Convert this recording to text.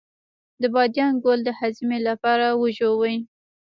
د بادیان ګل د هاضمې لپاره وژويئ